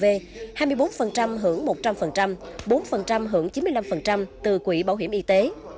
hai mươi bốn hưởng một trăm linh bốn hưởng chín mươi năm từ quỹ bảo hiểm y tế